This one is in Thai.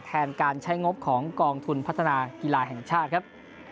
แทนการใช้งบของกองทุนพัฒนากีฬาแห่งชาติครับ